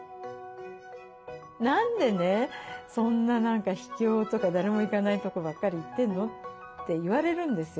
「何でねそんな何か秘境とか誰も行かないとこばっかり行ってんの？」って言われるんですよ。